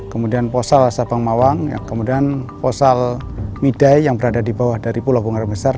kemudian posal sabang mawang kemudian posal midai yang berada di bawah dari pulau bungara besar